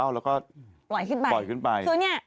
แล้วก็จ่อยขึ้นไป